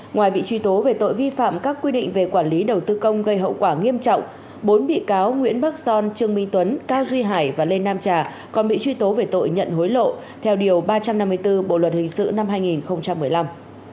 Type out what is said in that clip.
ngoài bị truy tố về tội vi phạm các quy định về quản lý đầu tư công gây hậu quả nghiêm trọng bốn bị cáo nguyễn bắc son trương minh tuấn cao duy hải và lê nam trà còn bị truy tố về tội nhận hối lộ theo điều ba trăm năm mươi bốn bộ luật hình sự năm hai nghìn một mươi năm